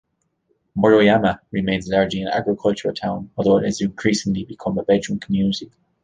Moroyama remains largely an agricultural town, although it has increasing become a bedroom community.